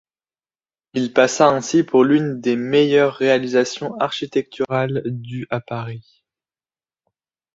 Il passa ainsi pour l'une des meilleures réalisations architecturales du à Paris.